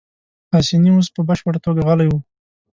پاسیني اوس په بشپړه توګه غلی وو.